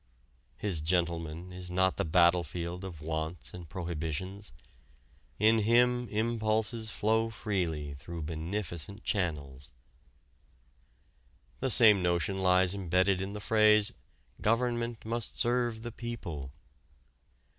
His gentleman is not the battlefield of wants and prohibitions; in him impulses flow freely through beneficent channels. The same notion lies imbedded in the phrase: "government must serve the people."